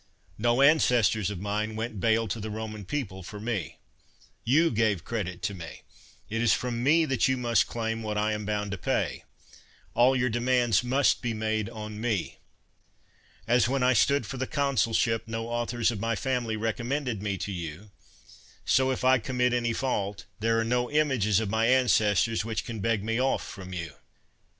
No ancestors of mine went bail to the Roman people for me : you gave credit to me ; it is from me that you must claim what I am bound to pay : all your demands must be made on me. As, when I stood for the consulship, no authors of my family recom mended me to you; so, if I commit any fault, there are no images of my ancestors which can beg me off from you.